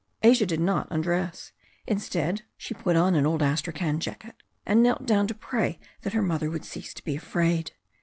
Asia did not undress. Instead, she put on an old astra khan jacket, and knelt down to pray that her mother would cease to be afraid.